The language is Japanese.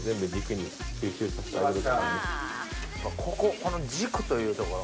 こここの軸という所。